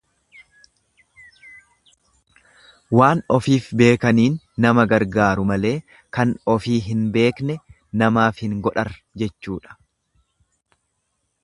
Waan ofiif beekaniin nama gargaaru malee kan ofii hin beekne namaaf hin godhar: jechuudha.